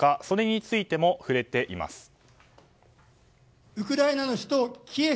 それについても触れています。